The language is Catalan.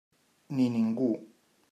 Ni ningú.